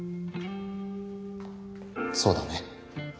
そうだね。